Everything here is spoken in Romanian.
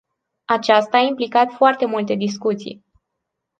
Aceasta a implicat foarte multe discuții.